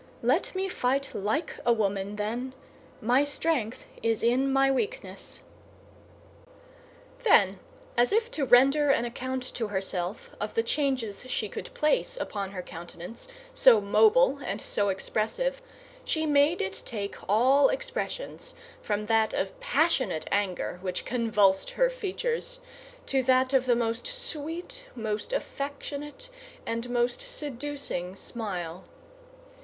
Let me fight like a woman, then; my strength is in my weakness." Then, as if to render an account to herself of the changes she could place upon her countenance, so mobile and so expressive, she made it take all expressions from that of passionate anger, which convulsed her features, to that of the most sweet, most affectionate, and most seducing smile.